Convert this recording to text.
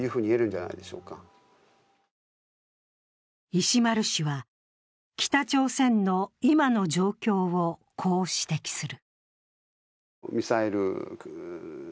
石丸氏は、北朝鮮の今の状況をこう指摘する。